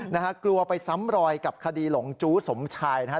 นะฮะกลัวไปซ้ำรอยกับคดีหลงจู้สมชายนะฮะ